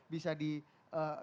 bisa dihujat sama orang